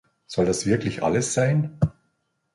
Soll das wirklich alles sein?